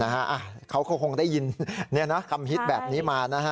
นะฮะอ่ะเขาคงได้ยินเนี่ยนะคำฮิตแบบนี้มานะฮะ